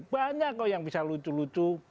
banyak kok yang bisa lucu lucu